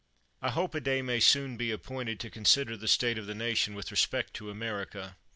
I hope a day may soon be appointed to con sider the state of the nation with respect to America.